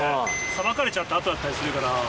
さばかれちゃった後だったりするから。